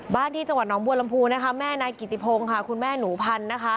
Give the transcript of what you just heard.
ที่จังหวัดหนองบัวลำพูนะคะแม่นายกิติพงศ์ค่ะคุณแม่หนูพันธ์นะคะ